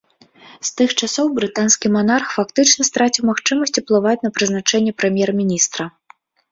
З тых часоў брытанскі манарх фактычна страціў магчымасць уплываць на прызначэнне прэм'ер-міністра.